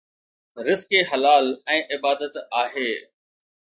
رزق حلال ۽ عبادت آهي